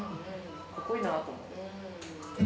かっこいいなと思って。